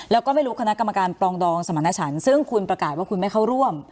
แล้วก็ไม่รู้คณะกรรมการปรองดองสมรรถฉันซึ่งคุณประกาศว่าคุณไม่เข้าร่วม